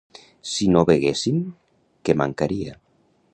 Si no beguessin, què mancaria?